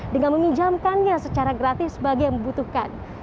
dengan meminjamkannya secara gratis bagi yang membutuhkan